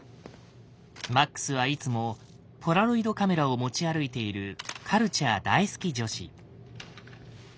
マックスはいつもポラロイドカメラを持ち歩いているカルチャー大好き女子。